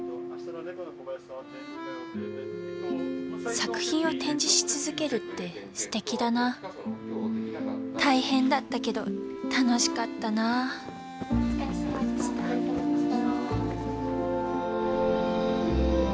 作品を展示しつづけるってすてきだなたいへんだったけど楽しかったなおつかれさまでした。